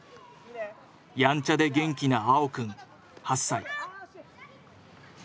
やんちゃで元気な青くん８歳。